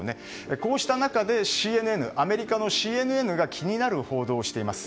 こうした中でアメリカのＣＮＮが気になる報道をしています。